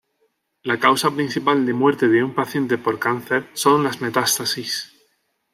La causa principal de muerte de un paciente por cáncer son las metástasis.